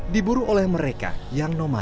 diburu oleh mereka yang menjaga kemampuan